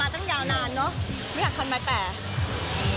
แล้วจริงอ้าวไม่รู้อ้าวบอกคุณทนายว่าพี่คะช่วยดูให้อ้าวหน่อยแล้วกันนะคะต่อจากนี้